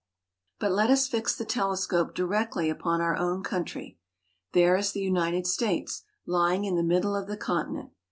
I3 But let us fix the telescope directly upon our own coun try. There is the United States, lying in the middle of the continent.